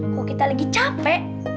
kok kita lagi capek